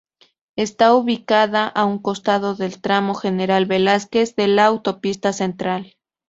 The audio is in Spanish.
Está ubicada a un costado del tramo General Velásquez de la Autopista Central.